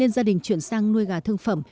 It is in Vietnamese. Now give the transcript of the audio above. gia đình chuyển sang nuôi gà thương phẩm